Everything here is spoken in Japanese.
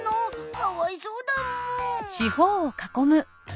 かわいそうだむ。